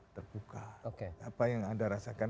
terbuka oke apa yang anda rasakan